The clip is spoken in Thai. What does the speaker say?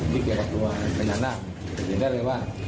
ที่เกี่ยวกับตัวพยานาภเห็นได้เลยว่า